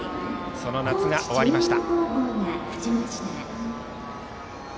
その夏が終わりました。